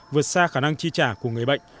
vượt xa khả năng chi trả của người bệnh